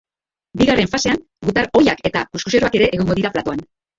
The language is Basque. Bigarren fasean, gutar ohiak eta kuxkuxeroak ere egongo dira platoan.